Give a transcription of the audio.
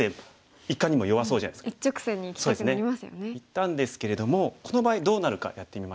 いったんですけれどもこの場合どうなるかやってみましょうかね。